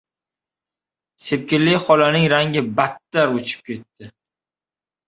Sepkilli xolaning rangi battar o‘chib ketdi.